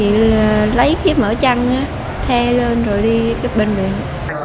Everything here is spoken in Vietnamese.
thì lấy khí mở chăn the lên rồi đi bên bệnh